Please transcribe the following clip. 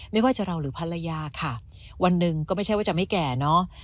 ไม่ว่าจะเราหรือภรรยาค่ะวันหนึ่งก็ไม่ใช่ว่าจะไม่แก่เนอะ